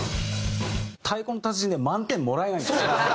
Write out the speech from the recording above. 『太鼓の達人』では満点もらえないんですよ。